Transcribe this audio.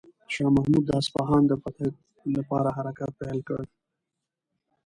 شاه محمود د اصفهان د فتح لپاره حرکت پیل کړ.